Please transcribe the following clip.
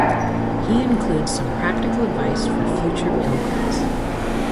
He includes some practical advice for future pilgrims.